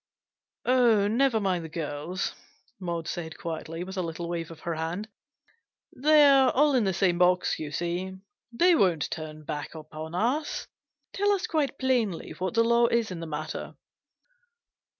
" Oh, never mind the girls/' Maud said, quietly, with a little wave of her hand. "They're all in the same box, you see. They won't turn back upon us. Tell us quite plainly what the law is in the matter."